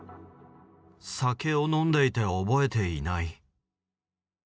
酒を飲んでいて覚えていない。